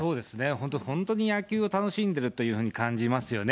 そうですね、本当に野球を楽しんでるというふうに感じますよね。